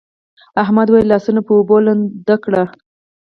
احمد وويل: لاسونه په اوبو لوند کړه.